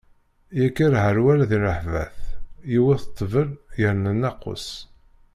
Yekker herwel di ṛṛeḥbat, yewwet ṭṭbel yerna nnaqus.